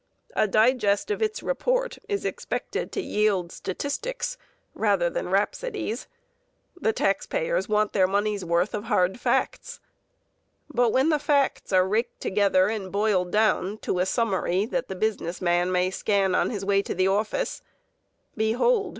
A digest of its report is expected to yield statistics rather than rhapsodies. The taxpayers want their money's worth of hard facts. But when the facts are raked together and boiled down to a summary that the business man may scan on his way to the office, behold!